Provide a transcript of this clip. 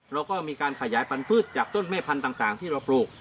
เราก็มีการขยายพันธุ์จากต้นแม่พันธุ์ต่างที่เราปลูก